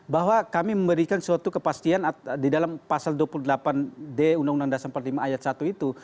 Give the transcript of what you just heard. bahwa kami memberikan suatu kepastian di dalam pasal dua puluh delapan d undang undang dasar empat puluh lima ayat satu itu